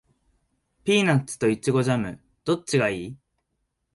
ピーナッツとイチゴジャム、どっちがいい？